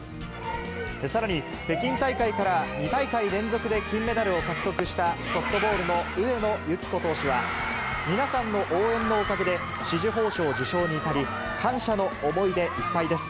さらに、北京大会から２大会連続で金メダルを獲得したソフトボールの上野由岐子投手は、皆さんの応援のおかげで紫綬褒章を受章に至り、感謝の思いでいっぱいです。